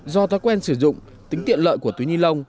do thói quen sử dụng tính tiện lợi của túi nhựa